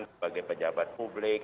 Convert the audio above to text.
sebagai pejabat publik